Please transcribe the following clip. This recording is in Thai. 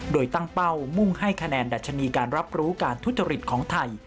โดยตั้งเป้ามุ่งให้คะแนนดัชนีการรับรู้การทุจริตของไทย